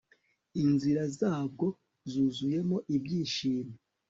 inzira zabwo zuzuyemo ibyishimo